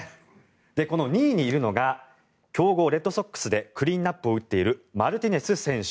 この２位にいるのが強豪レッドソックスでクリーンアップを打っているマルティネス選手。